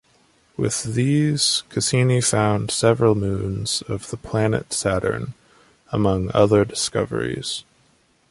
With these Cassini found several moons of the planet Saturn, among other discoveries.